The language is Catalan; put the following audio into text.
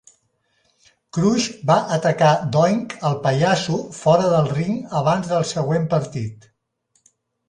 Crush va atacar Doink el Pallasso fora del ring abans del següent partit.